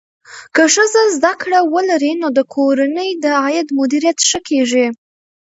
که ښځه زده کړه ولري، نو د کورنۍ د عاید مدیریت ښه کېږي.